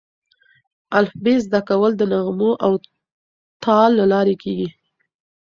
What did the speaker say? الفبې زده کول د نغمو او تال له لارې کېږي.